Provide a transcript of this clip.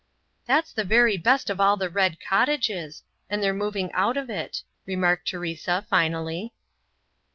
"That's the very best of all the 'Red Cottages,' and they're moving out of it" remarked Teresa finally.